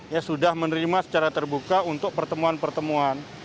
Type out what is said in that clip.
ya sudah menerima secara terbuka untuk pertemuan pertemuan